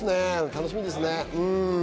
楽しみですね。